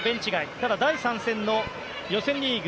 ただ第３戦の予選リーグ